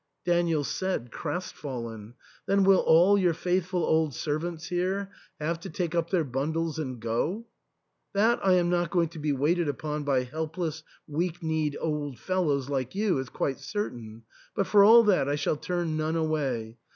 Daniel said crestfallen, " Then will all your faithful old servants have to take up their bundles and go ?"" That I am not going to be waited upon by helpless, weak kneed old fellows like you is quite certain ; but for all that I shall turn none away.